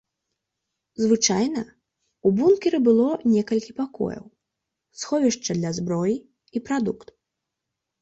Звычайна, у бункеры было некалькі пакояў, сховішча для зброі і прадуктаў.